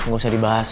gak usah dibahas